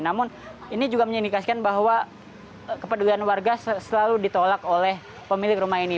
namun ini juga mengindikasikan bahwa kepedulian warga selalu ditolak oleh pemilik rumah ini